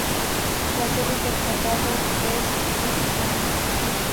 La sede del condado es Elkins.